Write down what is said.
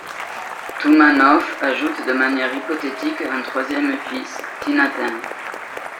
Toumanoff ajoute de manière hypothétique un troisième fils, Tinatin.